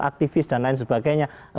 aktivis dan lain sebagainya